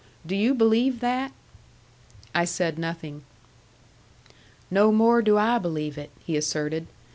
Do you believe that?" I said nothing. "No more do I believe it," he asserted.